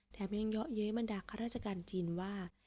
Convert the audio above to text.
แถมยังเยาะเย้บรรดาข้าราชการจีนว่า